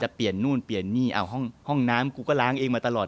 เปลี่ยนนู่นเปลี่ยนนี่เอาห้องน้ำกูก็ล้างเองมาตลอด